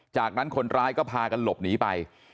จากนั้นคนร้ายก็พากันหลบหนีไป